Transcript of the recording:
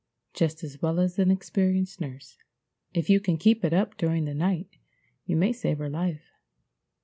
Just as well as an experienced nurse. If you can keep it up during the night you may save her life.